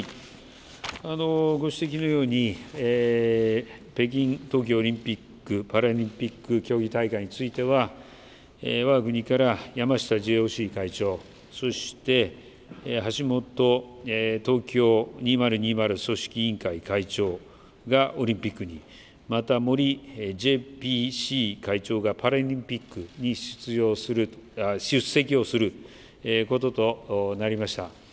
ご指摘のように、北京冬季オリンピック・パラリンピック競技大会については、わが国から山下ＪＯＣ会長、そして橋本東京２０２０組織委員会会長がオリンピックに、また森ＪＰＣ会長がパラリンピックに出席をすることとなりました。